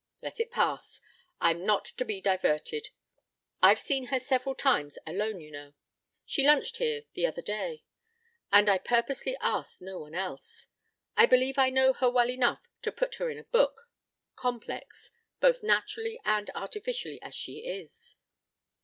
"Let it pass. I'm not to be diverted. I've seen her several times alone, you know. She lunched here the other day, and I purposely asked no one else. I believe I know her well enough to put her in a book, complex, both naturally and artificially, as she is.